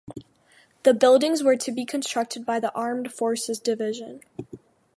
The buildings were to be constructed by the Armed Forces Division.